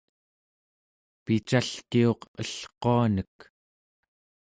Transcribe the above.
picalkiuq elquanek